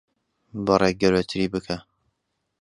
بڕێک گەورەتری بکە.